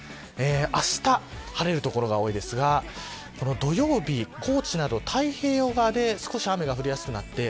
あした晴れる所が多いですが土曜日は高知など太平洋側で雨が降りやすくなります。